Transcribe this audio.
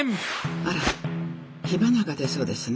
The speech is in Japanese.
あら火花が出そうですね。